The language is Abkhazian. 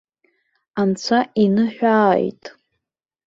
Анцәа иныҳәааит!